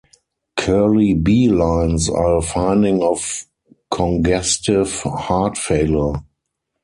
Kerley B lines are a finding of congestive heart failure.